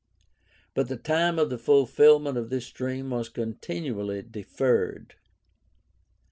But the time of the fulfilment of this dream was continually deferred.